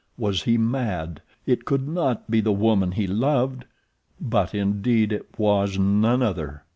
Was he mad? It could not be the woman he loved! But, indeed, it was none other.